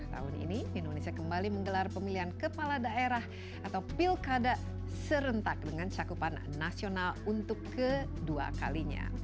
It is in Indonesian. tahun ini indonesia kembali menggelar pemilihan kepala daerah atau pilkada serentak dengan cakupan nasional untuk kedua kalinya